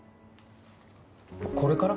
これから！？